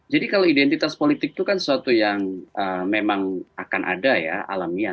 jadi kalau identitas politik itu kan sesuatu yang memang akan ada ya alamiah